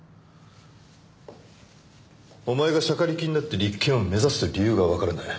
お前がしゃかりきになって立件を目指す理由がわからない。